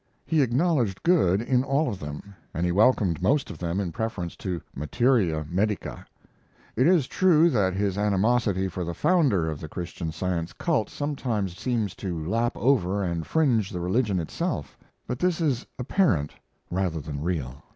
He acknowledged good in all of them, and he welcomed most of them in preference to materia medica. It is true that his animosity for the founder of the Christian Science cult sometimes seems to lap over and fringe the religion itself; but this is apparent rather than real.